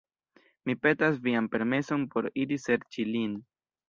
Mi petas vian permeson por iri serĉi lin.”